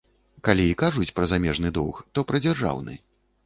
Калі і кажуць пра замежны доўг, то пра дзяржаўны.